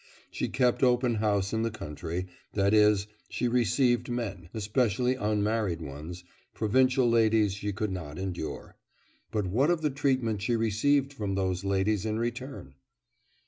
She kept open house in the country, that is, she received men, especially unmarried ones; provincial ladies she could not endure. But what of the treatment she received from those ladies in return?